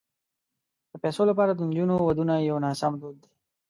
د پيسو لپاره د نجونو ودونه یو ناسم دود دی.